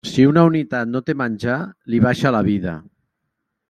Si una unitat no té menjar, li baixa la vida.